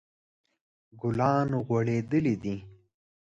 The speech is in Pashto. ګلان غوړیدلی دي